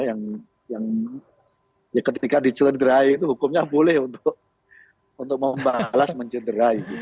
yang ketika dicederai itu hukumnya boleh untuk membalas mencederai